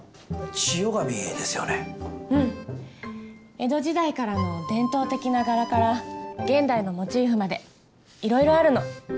江戸時代からの伝統的な柄から現代のモチーフまでいろいろあるの。